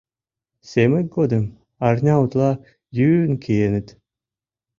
Семык годым арня утла йӱын киеныт...